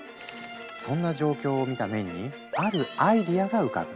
そんな状況を見たメンにあるアイデアが浮かぶ。